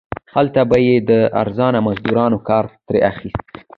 هلته به یې د ارزانه مزدورانو کار ترې اخیست.